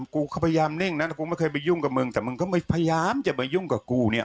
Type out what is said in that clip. กูก็พยายามนิ่งนะกูไม่เคยไปยุ่งกับมึงแต่มึงก็ไม่พยายามจะไปยุ่งกับกูเนี่ย